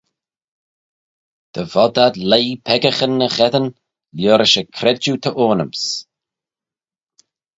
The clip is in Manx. Dy vod ad leih peccaghyn y gheddyn, liorish y credjue ta aynyms.